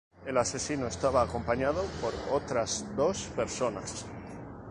El asesino estaba acompañado por otras dos personas.